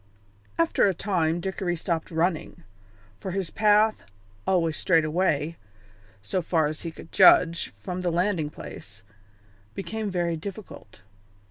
After a time Dickory stopped running, for his path, always straight away, so far as he could judge, from the landing place, became very difficult.